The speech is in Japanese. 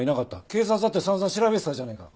警察だって散々調べてたじゃねえか。